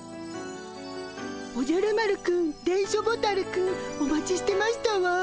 おじゃる丸くん電書ボタルくんお待ちしてましたわ。